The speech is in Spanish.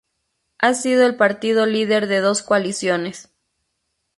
Ha sido el partido líder de dos coaliciones.